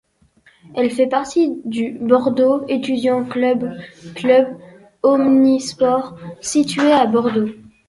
Elle fait partie du Bordeaux étudiants club, club omnisports, situé à Bordeaux.